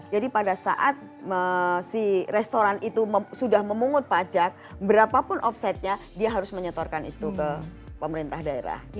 jadi pada saat si restoran itu sudah memungut pajak berapapun omsetnya dia harus menyetorkan itu ke pemerintah daerah